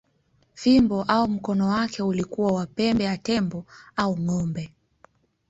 Fimbo au mkono wake ulikuwa wa pembe ya tembo au ng’ombe.